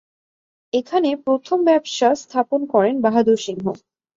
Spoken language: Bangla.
এখানে প্রথম ব্যবসা স্থাপন করেন বাহাদুর সিংহ।